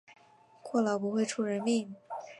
过劳不会出人命